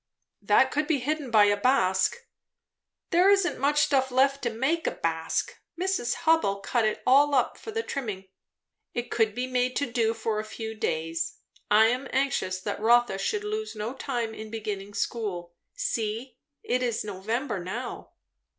"That could be hidden by a basque." "There isn't much stuff left to make a basque. Miss Hubbell cut it all up for the trimming." "It could be made to do for a few days. I am anxious that Rotha should lose no time in beginning school. See, it is November now."